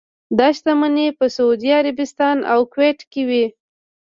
دا شتمنۍ په سعودي عربستان او کویټ کې وې.